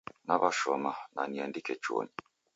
Naw'ashoma na niandike chuonyi.